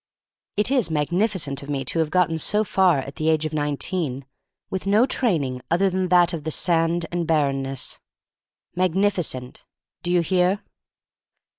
It is magnificent of me to have got ten so far, at the age of nineteen, with no training other than that of the sand and barrenness. Magnificent — do you hear?